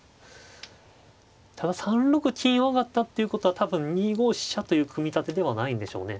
ただ３六金上がったっていうことは多分２五飛車という組み立てではないんでしょうね。